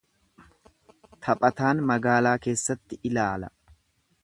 Taphataan magaalaa keessatti ilaala.